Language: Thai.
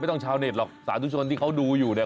ชาวเน็ตหรอกสาธุชนที่เขาดูอยู่เนี่ย